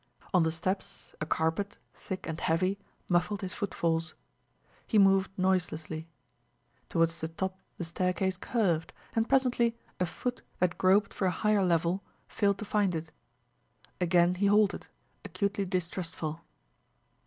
On the steps, a carpet, thick and heavy, muffled his footfalls. He moved noiselessly. Towards the top the staircase curved, and presently a foot that groped for a higher level failed to find it. Again he halted, acutely distrustful.